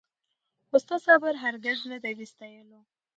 خو ستا صبر هرګز نه دی د ستایلو